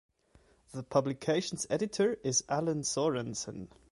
The publication's editor is Alan Sorensen.